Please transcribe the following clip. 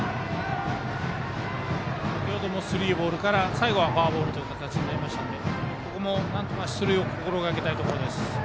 先程もスリーボールから、最後はフォアボールとなりましたのでここもなんとか出塁を心がけたいです。